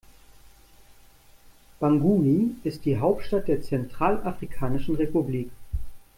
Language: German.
Bangui ist die Hauptstadt der Zentralafrikanischen Republik.